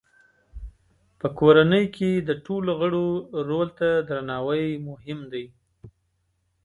په کورنۍ کې د ټولو غړو رول ته درناوی مهم دی.